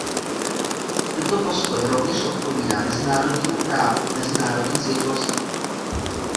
Tento postoj rovněž odpovídá mezinárodnímu právu a mezinárodním zvyklostem.